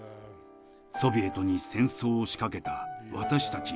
ソビエトに戦争を仕掛けた私たち